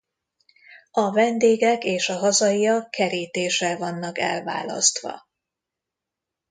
A vendégek és a hazaiak kerítéssel vannak elválasztva.